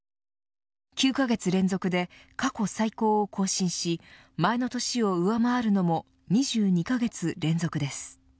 ９カ月連続で過去最高を更新し前の年を上回るのも２２カ月連続です。